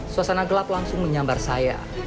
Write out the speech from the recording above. suasana gelap langsung menyambar saya